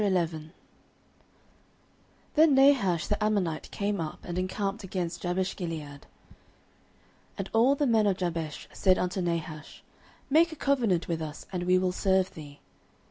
09:011:001 Then Nahash the Ammonite came up, and encamped against Jabeshgilead: and all the men of Jabesh said unto Nahash, Make a covenant with us, and we will serve thee.